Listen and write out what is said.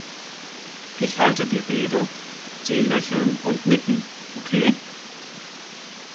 Ich halte die Rede, Sie lächeln und nicken, okay?